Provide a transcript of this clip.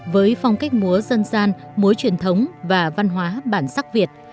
với phong cách múa dân gian múa truyền thống và văn hóa bản sắc việt